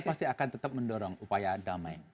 pasti akan tetap mendorong upaya damai